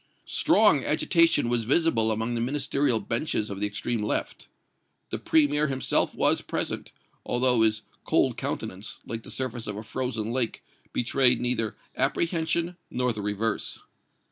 Strong agitation was visible among the Ministerial benches of the extreme left. The Premier himself was present, although his cold countenance, like the surface of a frozen lake, betrayed neither apprehension nor the reverse.